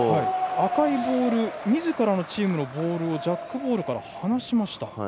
赤のみずからのチームのボールをジャックボールから離しました。